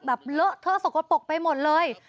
แบบเลอะเท่าสกปรกไปหมดเลย